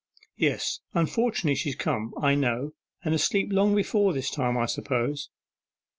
'Yes, unfortunately she's come, I know, and asleep long before this time, I suppose.